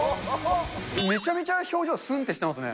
めちゃめちゃ表情、すんってしてますね。